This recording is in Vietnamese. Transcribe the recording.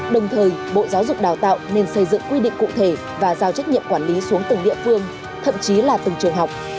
đồng thời bộ giáo dục đào tạo nên xây dựng quy định cụ thể và giao trách nhiệm quản lý xuống từng địa phương thậm chí là từng trường học